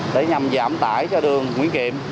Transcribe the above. để nhằm giảm tải cho đường nguyễn kiệm